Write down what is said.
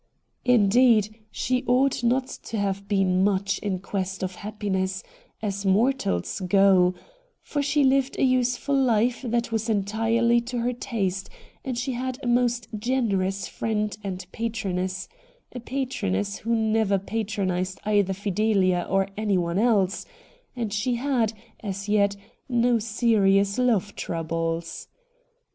Indeed, she ought not to have been much in quest of happiness, as mortals go, for she lived a useful life that was entirely to her taste, and she had a most generous friend and patroness I40 RED DIAMONDS — a patroness who never patronised either Fideha or anyone else — and she had, as yet, no serious love troubles.